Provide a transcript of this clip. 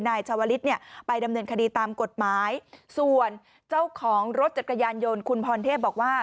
ชาวลิศเนี่ยไปดำเนินคดีตามกฎหมายส่วนเจ้าของรถจักรยานยนต์คุณพรเทพบอกว่า